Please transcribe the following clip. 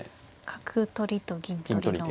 角取りと銀取りの。